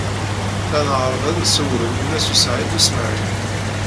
La nɛerreḍ ad nessewhem Yunes u Saɛid u Smaɛil.